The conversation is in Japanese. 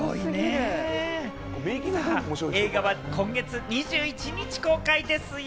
映画は今月２１日公開ですよ。